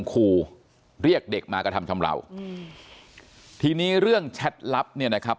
คู่เรียกเด็กมากระทำชำราวอืมทีนี้เรื่องแชทลับเนี่ยนะครับ